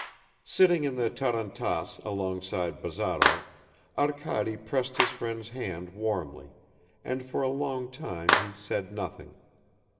Sitting in the tarantass alongside Bazarov, Arkady pressed his friend's hand warmly, and for a long time he said nothing.